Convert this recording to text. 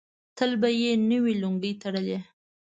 تل به یې نوې لونګۍ تړلې.